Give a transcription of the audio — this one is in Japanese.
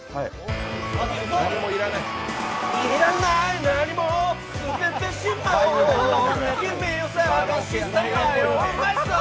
いらない何も捨ててしまおう